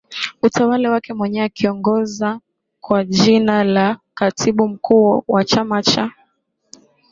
utawala wake mwenyewe akiongoza kwa jina la Katibu Mkuu wa chama cha